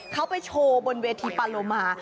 เขาไปโชว์บนเวทีปาโลมา